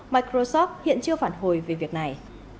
microsoft hiện chưa phản hồi về việc này